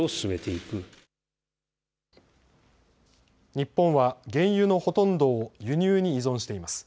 日本は原油のほとんどを輸入に依存しています。